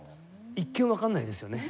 一見わからないですよね。